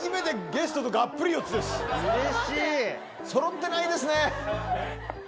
揃ってないですね！